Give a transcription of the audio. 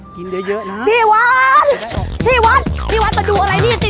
กินเยอะเยอะนะพี่วัดพี่วัดพี่วัดมาดูอะไรนี่สิ